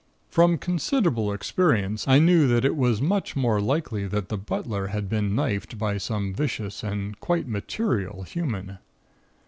"From considerable experience, I knew that it was much more likely that the butler had been 'knifed' by some vicious and quite material human!